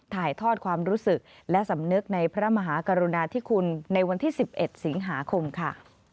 ถ่ายทอดความรู้สึกและสำนึกในพระมหากรุณาธิคุณในวันที่๑๑สิงหาคมค่ะ